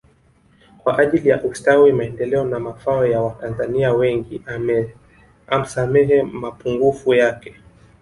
Kwa ajili ya ustawi maendeleo na mafao ya watanzania wengi amsamehe mapungufu yake